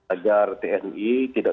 agar tni tidak